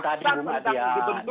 fakta tentang ketentukan kpu